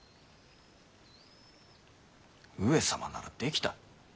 上様ならできた。